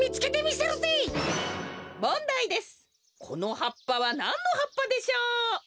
このはっぱはなんのはっぱでしょう？